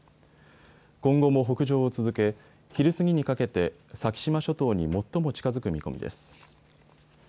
今後も北上を続け、昼過ぎにかけて先島諸島に最も近づく見込みです。